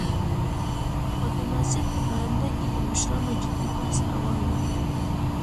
خو د مسجد په برنډه کې د مشرانو جدي بحث روان و.